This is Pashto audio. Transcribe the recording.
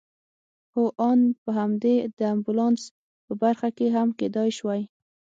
هو آن په همدې د امبولانس په برخه کې هم کېدای شوای.